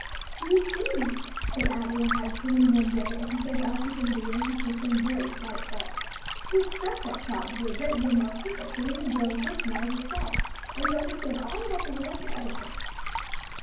"You seem," said Adelaide to him one day, as he sent Elsie from the room for some very slight fault, "to expect that child to be a great deal more perfect than any grown person I ever saw, and to understand all about the rules of etiquette."